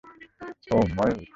ওহ, ময়ূর?